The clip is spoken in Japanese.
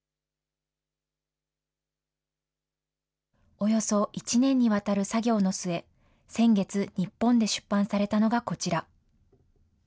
およそ１年にわたる作業の末、先月、日本で出版されたのがこちら。